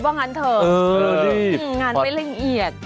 งานไม่ลึกอียด